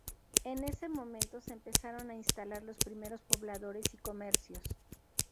En ese momento se empezaron a instalar los primeros pobladores y comercios.